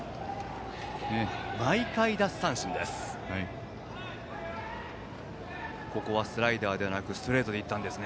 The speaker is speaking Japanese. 毎回奪三振です。